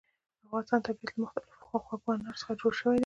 د افغانستان طبیعت له مختلفو او خوږو انارو څخه جوړ شوی دی.